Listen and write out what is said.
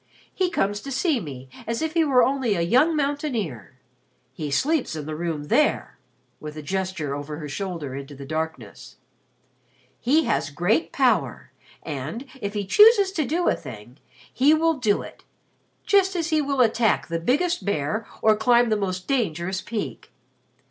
He comes to see me as if he were only a young mountaineer. He sleeps in the room there," with a gesture over her shoulder into the darkness. "He has great power and, if he chooses to do a thing, he will do it just as he will attack the biggest bear or climb the most dangerous peak.